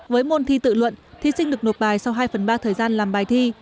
với môn thi tự luận thí sinh được nộp bài sau hai phần ba thời gian làm bài thi